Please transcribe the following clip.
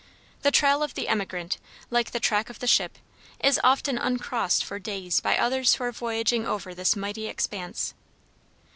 The trail of the emigrant, like the track of the ship, is often uncrossed for days by others who are voyaging over this mighty expanse.